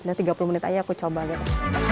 nah tiga puluh menit aja aku coba gitu